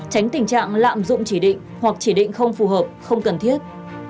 tránh tình trạng lạm dụng chỉ định hoặc chỉ định không phù hợp không cần thiết